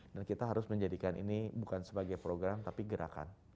dan kita harus menjadikan ini bukan sebagai program tapi gerakan